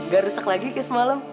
gak rusak lagi kayak semalam